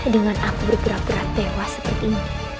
dengan aku bergerak gerak tewas seperti ini